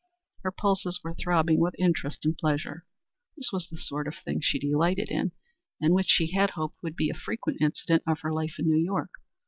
Her pulses were throbbing with interest and pleasure. This was the sort of thing she delighted in, and which she had hoped would be a frequent incident of her life in New York.